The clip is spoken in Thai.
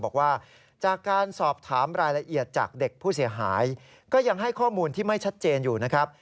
บอกว่าจากการสอบถามรายละเอียดจากเด็กผู้เสียหายก็ยังให้ข้อมูลที่ไม่ชัดเจนอยู่นะครับ